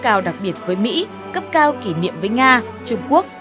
cao đặc biệt với mỹ cấp cao kỷ niệm với nga trung quốc